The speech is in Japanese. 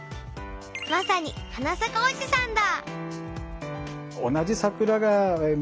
まさに花咲かおじさんだ。